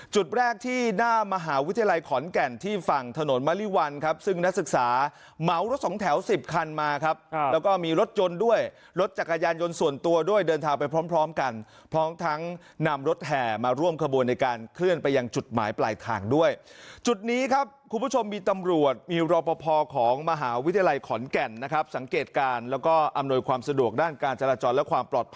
จุดแรกที่หน้ามหาวิทยาลัยขอนแก่นที่ฝั่งถนนมะลิวันครับซึ่งนักศึกษาเหมารถ๒แถว๑๐คันมาครับแล้วก็มีรถยนต์ด้วยรถจักรยานยนต์ส่วนตัวด้วยเดินทางไปพร้อมกันพร้อมทั้งนำรถแห่มาร่วมขบวนในการเคลื่อนไปยังจุดหมายปลายทางด้วยจุดนี้ครับคุณผู้ชมมีตำรวจมีรอบประพอของมหาวิทยาล